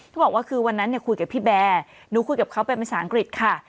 บอกว่าคือวันนั้นเนี่ยคุยกับพี่แบร์หนูคุยกับเขาเป็นภาษาอังกฤษค่ะ